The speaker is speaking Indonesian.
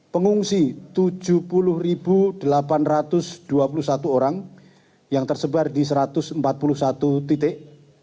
pengungsi tujuh puluh delapan ratus dua puluh satu orang yang tersebar di satu ratus empat puluh satu titik